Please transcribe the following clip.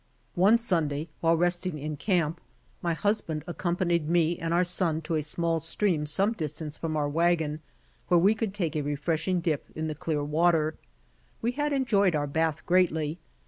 One Sunday while resting in camp, my husband SETTLERS IN NEBRASKA 23 aceompaniod me and our son to a small streami some distance from our wagon, where we could take a refreshing dip in the clear water. We had enjoyed our bath greatly.